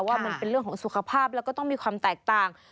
ว่ามันเป็นเรื่องของสุขภาพแล้วก็ต้องมีความแตกต่าง